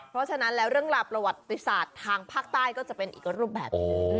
เพราะฉะนั้นแล้วเรื่องราวประวัติศาสตร์ทางภาคใต้ก็จะเป็นอีกรูปแบบหนึ่ง